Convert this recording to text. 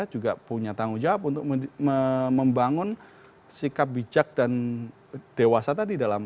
juga punya tanggung jawab untuk membangun sikap bijak dan dewasa tadi dalam